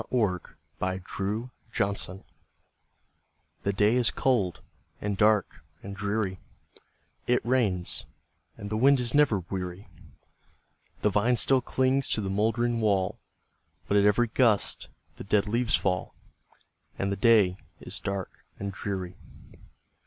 THE RAINY DAY The day is cold, and dark, and dreary It rains, and the wind is never weary; The vine still clings to the mouldering wall, But at every gust the dead leaves fall, And the day is dark and dreary.